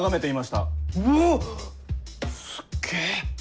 すっげぇ！